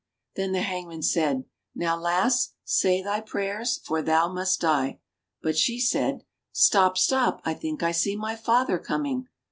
Then the hangman said, "Now, lass, say thy prayers, for thou must die." But she said : "Stop, stop, I think I see my father coming!